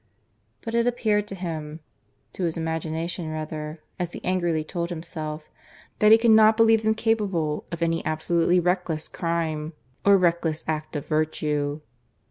... But it appeared to him (to his imagination rather, as he angrily told himself) that he could not believe them capable of any absolutely reckless crime or reckless act of virtue.